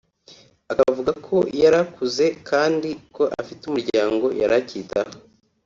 akavuga ko yari akuze kandi ko afite umuryango yari akitaho